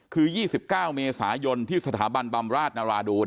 คือ๒๙เมษายนที่สถาบันบำราชนราดูน